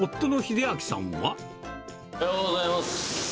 おはようございます。